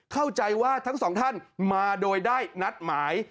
เข้าใจว่าทั้งสองท่านมาโดยได้นัดหมาย